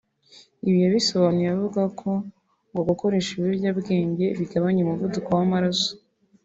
Ibi yabisobanuye avuga ko ngo gukoresha ibiyobyabwenge bigabanya umuvuduko w’amaraso